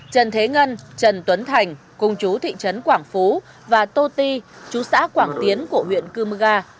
trần thế ngân trần tuấn thành cùng chú thị trấn quảng phú và tô ti chú xã quảng tiến của huyện cư mơ ga